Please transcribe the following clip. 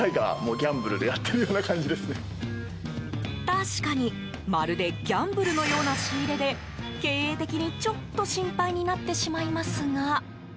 確かに、まるでギャンブルのような仕入れで経営的に、ちょっと心配になってしまいますが。